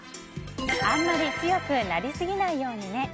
あんまり強くなりすぎないようにね。